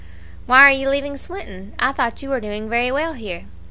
"Why are you leaving Swinton? I thought you were doing very well here."